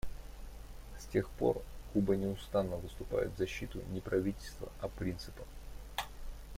С тех пор Куба неустанно выступает в защиту не правительства, а принципа.